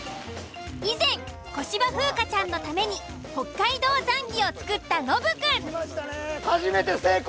以前小芝風花ちゃんのために北海道ザンギを作ったノブくん。